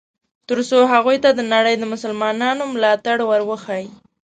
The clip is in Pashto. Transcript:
ترڅو هغوی ته د نړۍ د مسلمانانو ملاتړ ور وښیي.